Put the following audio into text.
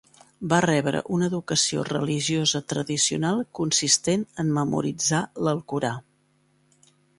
Va rebre una educació religiosa tradicional consistent en memoritzar l'Alcorà.